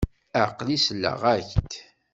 Aql-i selleɣ-ak-d.